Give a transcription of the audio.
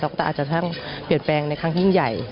ก็อาจจะทั้งเปลี่ยนแปลงในครั้งยิ่งใหญ่